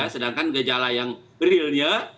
sedangkan gejala yang realnya